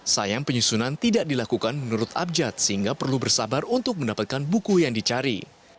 sayang penyusunan tidak dilakukan menurut abjad sehingga perlu bersabar untuk mendapatkan buku yang dicari